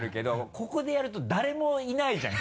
ここでやると誰もいないじゃん。